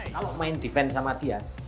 kalau main defense sama dia